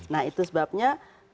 nah itu sebabnya